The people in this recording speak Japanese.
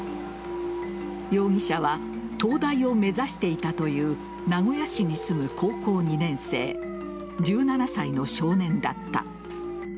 容疑者は東大を目指していたという名古屋市に住む高校２年生１７歳の少年だった。